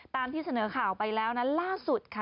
ตามที่เสนอข่าวไปแล้วล่าสุด